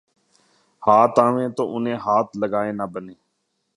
ہاتھ آویں تو انہیں ہاتھ لگائے نہ بنے